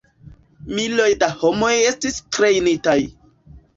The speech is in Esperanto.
Miloj da homoj estis trejnitaj.